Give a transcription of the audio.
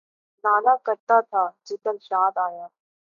نالہ کرتا تھا، جگر یاد آیا